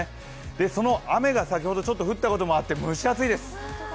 その雨が先ほどちょっと降ったこともあって蒸し暑いです。